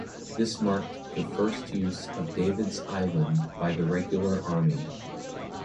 This marked the first use of Davids' Island by the Regular Army.